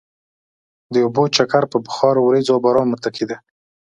د اوبو چکر په بخار، ورېځو او باران متکي دی.